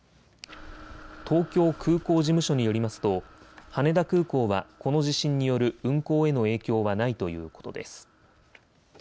東京空港事務所によりますと羽田空港はこの地震による運航への影響はないということです。